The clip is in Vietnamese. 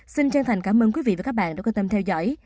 xin chân thành cảm ơn quý vị và các bạn đã quan tâm theo dõi